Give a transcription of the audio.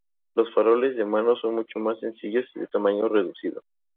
Los faroles de mano son mucho más sencillos y de tamaño reducido.